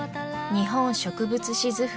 「日本植物志図譜」